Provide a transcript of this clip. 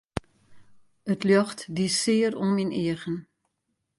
It ljocht die sear oan myn eagen.